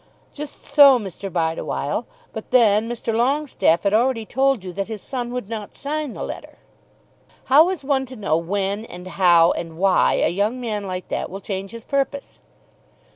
"Just so, Mr. Bideawhile. But then Mr. Longestaffe had already told you that his son would not sign the letter." "How is one to know when and how and why a young man like that will change his purpose?"